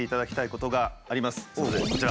こちら。